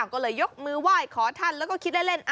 ก็เลยยกมือไหว้ขอท่านแล้วก็คิดเล่น